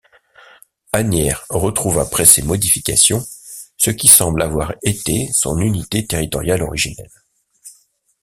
Asnières retrouve après ces modifications ce qui semble avoir été son unité territoriale originelle.